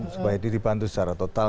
sebaiknya dibantu secara total